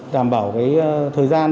đảm bảo thời gian